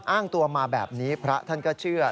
อ้างตัวมาแบบนี้พระท่านก็เชื่อ